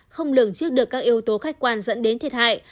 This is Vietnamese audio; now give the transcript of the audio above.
không lường trước được các yếu tố khách quan dẫn đến thiệt hại